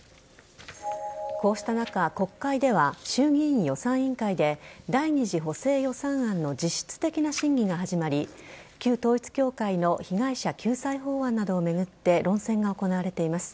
こうした中、国会では衆議院予算委員会で第２次補正予算案の実質的な審議が始まり旧統一教会の被害者救済法案などを巡って論戦が行われています。